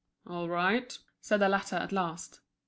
"All right," said the latter at last.